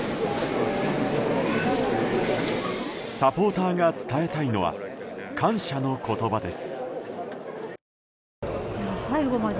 サポーターが伝えたいのは感謝の言葉です。